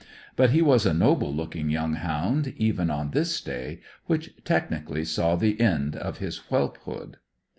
But he was a noble looking young hound, even on this day which, technically, saw the end of his whelphood.